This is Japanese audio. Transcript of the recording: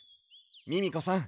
ミミコさん